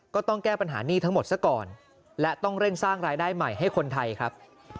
ก็ต้องแก้ปัญหาหนี้ทั้งหมดซะก่อนและต้องเร่งสร้างรายได้ใหม่ให้คนไทยครับ